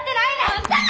あんたや！